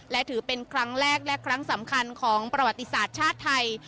และถือเป็นครั้งแรกและครั้งสำคัญของประวัติศาสตร์ชาติไทย